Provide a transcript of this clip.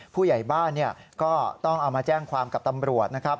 ผู้ใหญ่บ้านก็ต้องเอามาแจ้งความกับตำรวจนะครับ